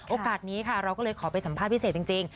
โอกาสนี้ค่ะเราก็เลยขอไปสัมภาษณ์พิเศษจริง